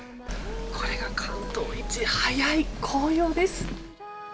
これが関東一早い紅葉です！